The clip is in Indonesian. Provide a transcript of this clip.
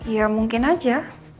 ya mungkin aja